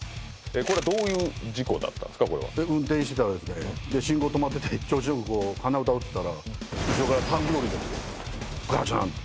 これどういう事故だったんすかこれは運転してたらですねで信号止まってて調子よくこう鼻歌歌ってたら後ろからタンクローリーが来てガチャン！